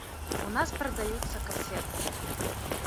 У нас прадаюцца касеты.